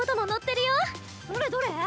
どれどれ？